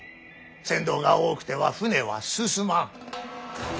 船頭が多くては船は進まん。